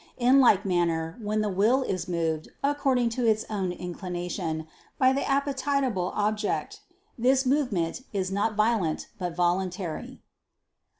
In like manner when the will is moved, according to its own inclination, by the appetible object, this movement is not violent but voluntary.